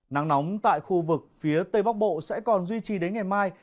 nắng nóng tại khu vực phía tây bắc bộ sẽ còn duy trì đến ngày mai